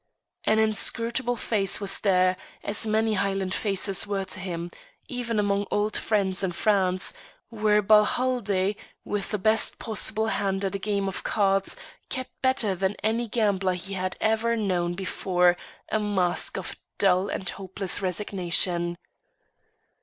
An inscrutable face was there, as many Highland faces were to him, even among old friends in France, where Balhaldie, with the best possible hand at a game of cards, kept better than any gambler he had ever known before a mask of dull and hopeless resignation.